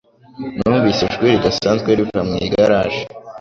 Numvise ijwi ridasanzwe riva mu igaraje.